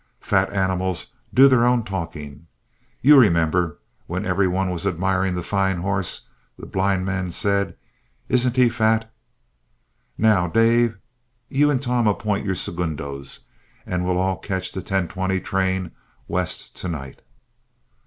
Fat animals do their own talking. You remember when every one was admiring the fine horse, the blind man said, 'Isn't he fat?' Now, Dave, you and Tom appoint your segundos, and we'll all catch the 10:20 train west to night."